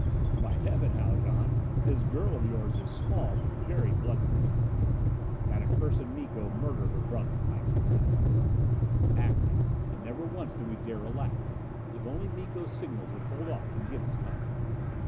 "By Heaven, Haljan, this girl of yours is small, but very blood thirsty!" "That accursed Miko murdered her brother," I explained. Acting! And never once did we dare relax! If only Miko's signals would hold off and give us time!